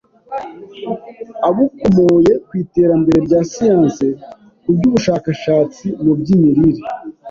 abukomoye kw’iterambere rya siyansi ku by’ubushakashatsi mu by’imirire,